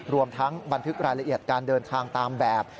รวมทั้งบันทึกรายละเอียดการเดินทางตามแบบ